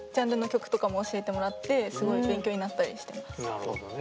なるほどね。